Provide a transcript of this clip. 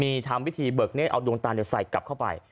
มีทางวิธีเบิกเนสเอาดวงตาเหนือใส่กลับเข้าไป